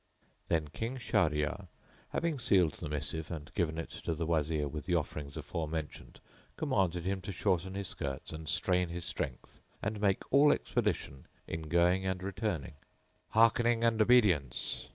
Then King Shahryar, having sealed the missive and given it to the Wazir with the offerings aforementioned, commanded him to shorten his skirts and strain his strength and make all expedition in going and returning. "Harkening and obedience!"